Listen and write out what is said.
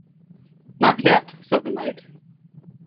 ‘Not yet,’ said the Knight.